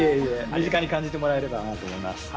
身近に感じてもらえればなと思います。